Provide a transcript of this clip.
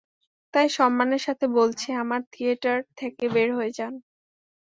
তাই সম্মানের সাথে বলছি, আমার থিয়েটার থেকে বের হয়ে যান।